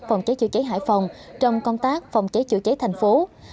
phòng cháy chữa cháy hải phòng trong công tác phòng cháy chữa cháy thành phố